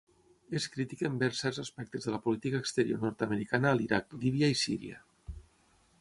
És crítica envers certs aspectes de la política exterior nord-americana a l'Iraq, Líbia i Síria.